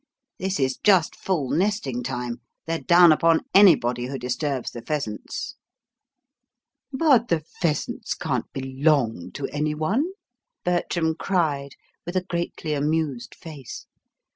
"This is just full nesting time. They're down upon anybody who disturbs the pheasants." "But the pheasants can't BELONG to any one," Bertram cried, with a greatly amused face.